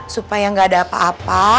supaya nggak ada apa apa